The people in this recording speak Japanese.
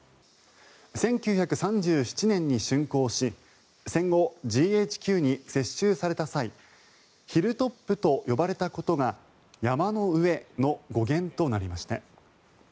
１９３７年にしゅん工し戦後、ＧＨＱに接収された際ヒルトップと呼ばれたことが山の上の語源となりました。